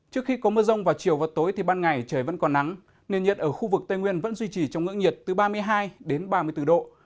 trước khi có mưa rông vào chiều và tối thì ban ngày trời vẫn còn nắng nền nhiệt ở khu vực tây nguyên vẫn duy trì trong ngưỡng nhiệt từ ba mươi hai ba mươi bốn độ